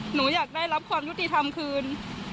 หนูอยากได้รับความยุติธรรมคืน